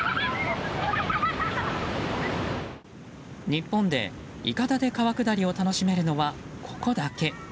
日本で、いかだで川下りを楽しめるのはここだけ。